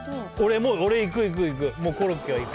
もう俺いくいくいく